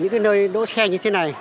những cái nơi đỗ xe như thế này